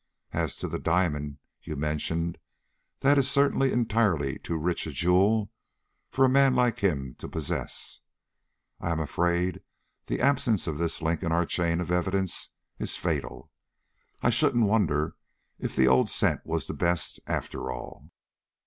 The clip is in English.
As to the diamond you mentioned, that is certainly entirely too rich a jewel for a man like him to possess. I I am a afraid the absence of this link in our chain of evidence is fatal. I shouldn't wonder if the old scent was the best, after all."